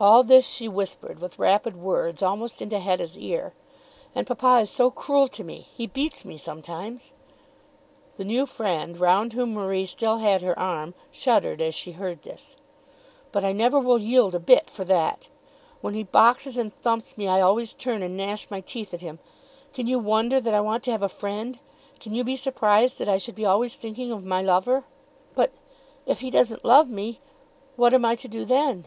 All this she whispered, with rapid words, almost into Hetta's ear. "And papa is so cruel to me! He beats me sometimes." The new friend, round whom Marie still had her arm, shuddered as she heard this. "But I never will yield a bit for that. When he boxes and thumps me I always turn and gnash my teeth at him. Can you wonder that I want to have a friend? Can you be surprised that I should be always thinking of my lover? But, if he doesn't love me, what am I to do then?"